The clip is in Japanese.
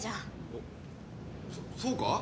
おっそっそうか？